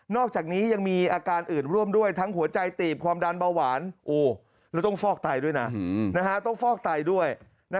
นอกจากนี้ยังมีอาการอื่นร่วมด้วยทั้งหัวใจตีบความดันเบาหวาน